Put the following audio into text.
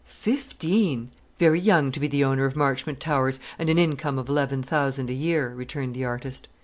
"Fifteen! Very young to be the owner of Marchmont Towers and an income of eleven thousand a year," returned the artist.